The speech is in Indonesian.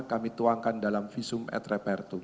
kami tuangkan dalam visum et repertum